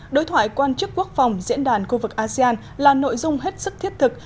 đối thoại quan chức quốc phòng diễn đàn khu vực asean là nội dung hết sức thiết thực